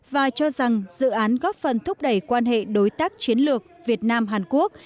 và cho rằng dự án góp phần thúc đẩy quan hệ đối tác chiến lược việt nam hàn quốc